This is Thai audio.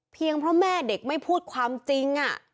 เพราะแม่เด็กไม่พูดความจริง